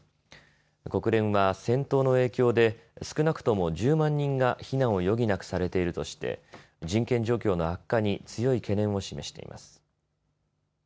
国連は戦闘の影響で、少なくとも１０万人が避難を余儀なくされているとして人権状況の悪化に強い懸念を示しています。